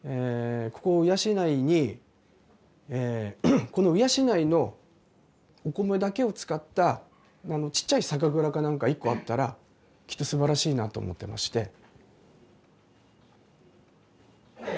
ここ鵜養にこの鵜養のお米だけを使ったちっちゃい酒蔵かなんか１個あったらきっとすばらしいなと思ってまして。